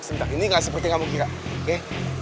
sebentar ini gak seperti yang kamu kira oke